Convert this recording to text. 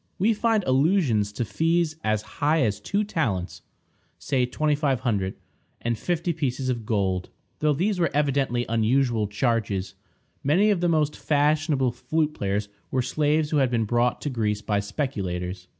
We find allusions to fees as high as two talents (say $2500) and fifty pieces of gold, though these were evidently unusual charges. Many of the most fashionable flute players were slaves who had been brought to Greece by speculators.